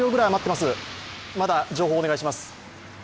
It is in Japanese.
まだ情報お願いします。